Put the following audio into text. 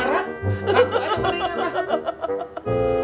ngaku aja mendingan lah